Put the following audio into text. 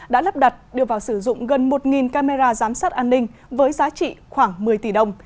đã lắp đặt đưa vào sử dụng gần một camera giám sát an ninh với giá trị khoảng một mươi tỷ đồng